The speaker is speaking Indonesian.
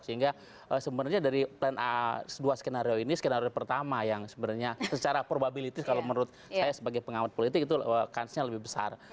sehingga sebenarnya dari plan a dua skenario ini skenario pertama yang sebenarnya secara probability kalau menurut saya sebagai pengawat politik itu kansnya lebih besar